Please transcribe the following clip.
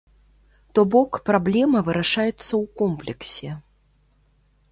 То бок, праблема вырашаецца ў комплексе.